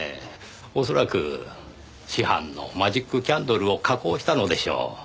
恐らく市販のマジックキャンドルを加工したのでしょう。